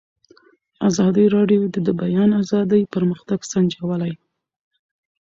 ازادي راډیو د د بیان آزادي پرمختګ سنجولی.